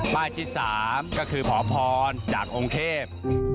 ที่๓ก็คือขอพรจากองค์เทพ